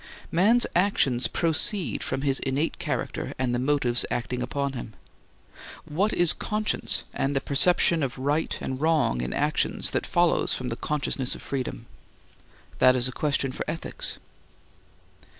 Man's actions proceed from his innate character and the motives acting upon him. What is conscience and the perception of right and wrong in actions that follows from the consciousness of freedom? That is a question for ethics.